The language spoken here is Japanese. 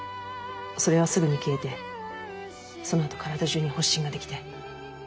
それはすぐに消えてその後体中に発疹ができて。